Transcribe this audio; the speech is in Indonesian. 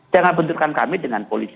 jangan benturkan kami dengan polisi